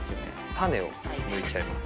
種を抜いちゃいます。